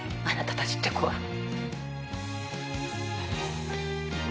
あなたたちって子は。